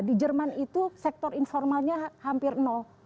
di jerman itu sektor informalnya hampir nol